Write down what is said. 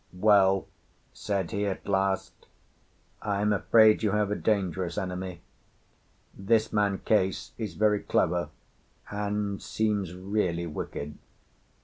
"Well," said he at last, "I am afraid you have a dangerous enemy. This man Case is very clever and seems really wicked.